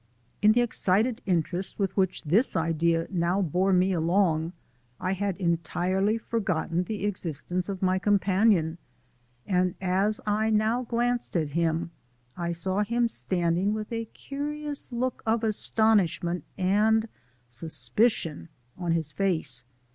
In the excited interest with which this idea now bore me along I had entirely forgotten the existence of my companion, and as I now glanced at him I saw him standing with a curious look of astonishment and suspicion on his face.